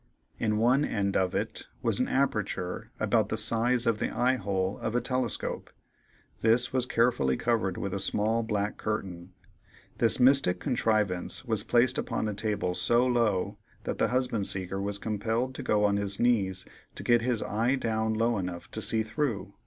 In one end of it was an aperture about the size of the eye hole of a telescope; this was carefully covered with a small black curtain. This mystic contrivance was placed upon a table so low that the husband seeker was compelled to go on his knees to get his eye down low enough to see through.